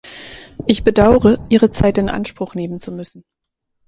Ich bedaure, Ihre Zeit in Anspruch nehmen zu müssen.